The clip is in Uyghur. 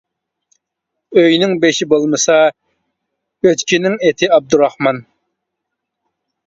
ئۆينىڭ بېشى بولمىسا ئۆچكىنىڭ ئېتى ئابدۇراخمان.